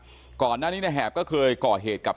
ทีมข่าวเราก็พยายามสอบปากคำในแหบนะครับ